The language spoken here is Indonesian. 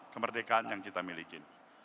kemerdekaan yang kita miliki